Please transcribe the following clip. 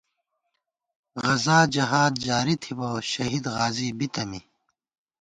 غزا جہاد جاری تھِبہ ، شہید غازی بِتہ می